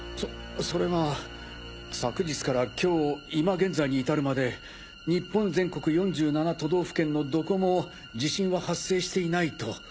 それが昨日から今日今現在に至るまで日本全国４７都道府県のどこも地震は発生していないと。